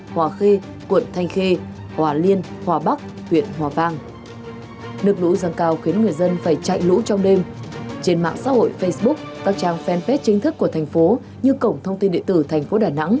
hãy đăng ký kênh để ủng hộ kênh của mình nhé